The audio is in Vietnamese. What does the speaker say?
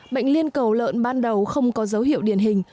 bệnh liên cầu lợn ban đầu không có dấu hiệu điển hình